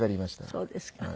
そうですか。